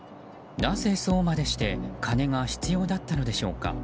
なぜ、そうまでして金が必要だったのでしょうか。